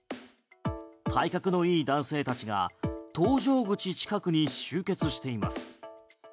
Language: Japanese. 体格のいい男性たちが搭乗口近くに集結しています。